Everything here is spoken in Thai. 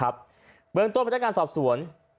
เบื้องต้นไปด้วยการสอบสวน